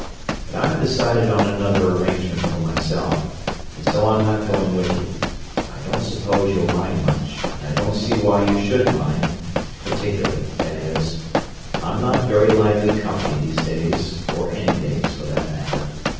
But I've decided on another arrangement for myself, and so I'm not going with you. I don't suppose you'll mind much, and I don't see why you should mind—particularly, that is. I'm not very lively company these days, or any days, for that matter.